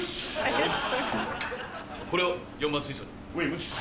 よし！